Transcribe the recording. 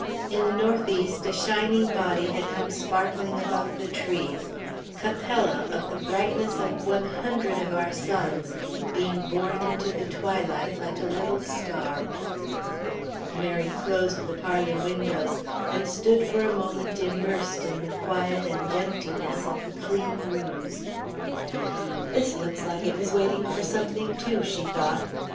In the north east a shining body had come sparkling above the trees Capella of the brightness of one hundred of our suns, being born into the twilight like a little star.... Mary closed the parlour windows and stood for a moment immersed in the quiet and emptiness of the clean rooms. "This looks like it was waiting for something, too," she thought.